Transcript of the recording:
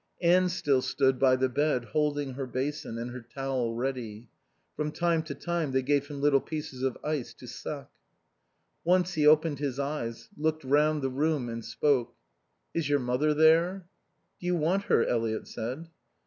Anne still stood by the bed holding her basin and her towel ready. From time to time they gave him little pieces of ice to suck. Once he opened his eyes, looked round the room and spoke. "Is your mother there?" "Do you want her?" Eliot said.